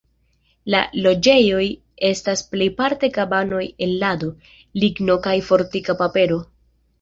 La loĝejoj estas plejparte kabanoj el lado, ligno kaj fortika papero.